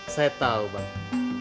saya tau pak